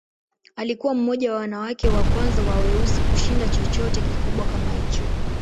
Alikuwa mmoja wa wanawake wa kwanza wa weusi kushinda chochote kikubwa kama hicho.